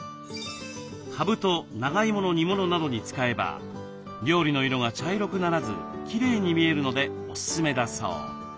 かぶと長いもの煮物などに使えば料理の色が茶色くならずきれいに見えるのでおすすめだそう。